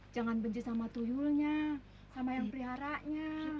jangan benci sama tuyulnya sama yang peliharanya